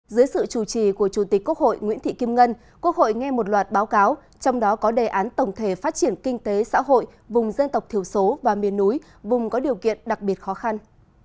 dưới sự chủ trì của chủ tịch quốc hội nguyễn thị kim ngân quốc hội nghe một loạt báo cáo trong đó có đề án tổng thể phát triển kinh tế xã hội vùng dân tộc thiểu số và miền núi vùng có điều kiện đặc biệt khó khăn